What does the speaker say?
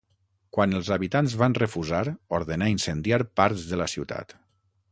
Quan els habitants van refusar, ordenà incendiar parts de la ciutat.